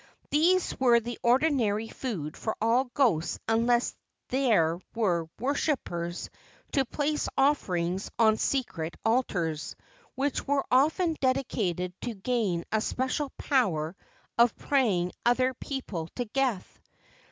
These were the ordinary food for all ghosts unless there were worshippers to place offerings on secret altars, which were often dedicated to gain a special power of praying other people to death.